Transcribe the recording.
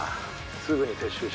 すぐに撤収しろ。